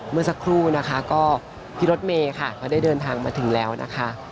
เมื่อสักครู่กับพี่แดงทัญญาพี่แดงทัญญา